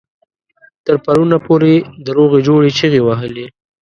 تر پرونه پورې د روغې جوړې چيغې وهلې.